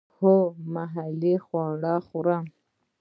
هو، محلی خواړه خورم